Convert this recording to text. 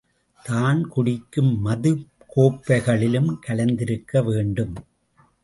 தான் குடிக்கும் மதுக்கோப்பைகளிலும் கலந்திருக்க வேண்டும்.